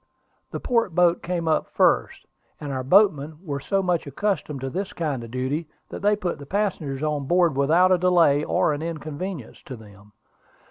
The port boat came up first; and our boatmen were so much accustomed to this kind of duty, that they put the passengers on board without delay or inconvenience to them.